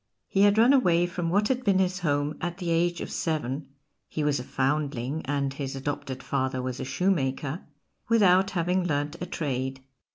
He had run away from what had been his home at the age of seven (he was a foundling, and his adopted father was a shoe maker), without having learnt a trade.